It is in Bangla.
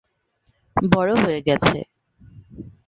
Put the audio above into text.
বড়ো হয়ে গেছে।